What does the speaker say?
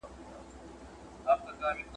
خدایه په زړه کي مي دا یو ارمان راپاته مه کې `